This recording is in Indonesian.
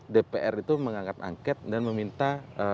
dpr itu mengangkat angket dan meminta